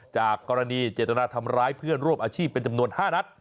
จากกรณีเจตนาทำร้ายเพื่อนร่วมอาชีพเป็นจำนวน๕นัด